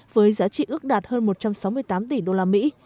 với giá trị ước đạt hơn một trăm sáu mươi tám tỷ usd